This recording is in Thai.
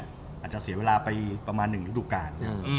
อาจจะเสียเวลาไปประมาณ๑ฤดูกาล